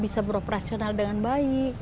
kita beroperasional dengan baik